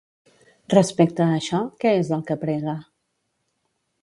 Respecte a això, què és el que prega?